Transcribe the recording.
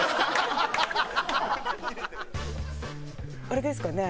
あれですかね？